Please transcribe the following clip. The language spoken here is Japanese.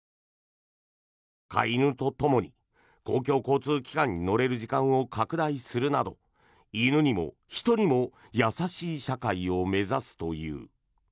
飼い犬とともに公共交通機関に乗れる時間を拡大するなど犬にも人にも優しい社会を目指すという。